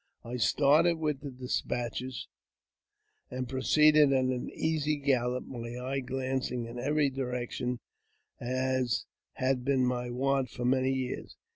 I started with the despatches, and proceeded at an easy gallop, my eye glancing in every direc tion, as had been my wont for many years.